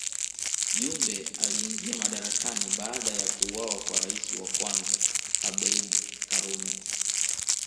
Jumbe aliingia madarakani baada ya kuuawa kwa rais wa kwanza Abeid Karume